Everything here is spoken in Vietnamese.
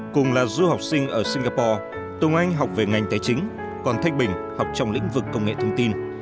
cùng là du học sinh ở singapore từng anh học về ngành tài chính còn thanh bình học trong lĩnh vực công nghệ thông tin